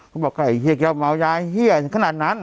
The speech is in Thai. เขาบอกใครเหี้ยเกี๊ยวเมายายเหี้ยขนาดนั้น